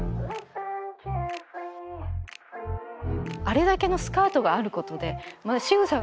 あれだけのスカートがあることでまずしぐさ。